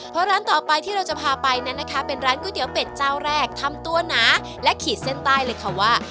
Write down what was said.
เพราะร้านต่อไปที่เราจะพาไปนั้นนะคะเป็นร้านก๋วยเตี๋ยวเป็ดเจ้าแรกทำตัวหนาและขีดเส้นใต้เลยค่ะว่า